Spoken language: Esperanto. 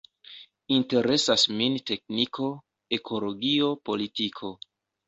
Interesas min tekniko, ekologio, politiko.